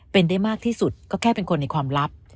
เป็นได้มากที่สุดก็แค่เป็นคนในความลับ